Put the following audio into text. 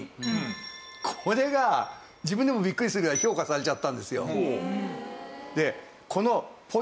これが自分でもビックリするぐらい評価されちゃったんですよ。